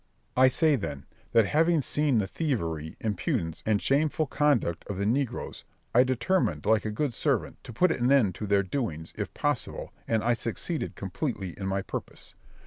I say, then, that having seen the thievery, impudence, and shameful conduct of the negroes, I determined, like a good servant, to put an end to their doings, if possible, and I succeeded completely in my purpose.